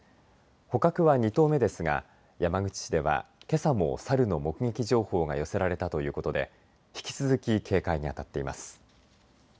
捕獲は２頭目ですが山口市ではけさもサルの目撃情報が寄せられたということで引き続き警戒にあたっています。